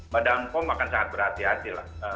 badan kom akan sangat berhati hati